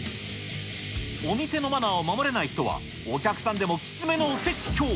お店のマナーを守れない人は、お客さんでもきつめのお説教。